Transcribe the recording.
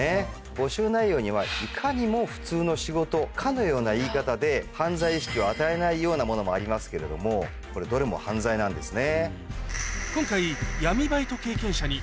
募集内容にはいかにも普通の仕事かのような言い方で犯罪意識を与えないようなものもありますけれどもこれどれも犯罪なんですね。